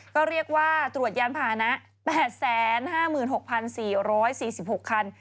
ก็เรียกว่าตรวจยานพานะ๘๕๖๔๔๖คัน